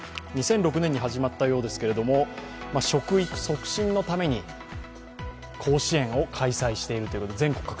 ２００６年に始まったようですけども、食育促進のために甲子園を開催しているということです。